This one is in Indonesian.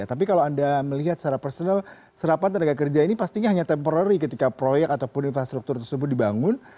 tapi kalau anda melihat secara personal serapan tenaga kerja ini pastinya hanya temporary ketika proyek ataupun infrastruktur tersebut dibangun